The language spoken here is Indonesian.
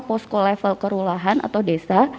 posko level kerulahan atau desa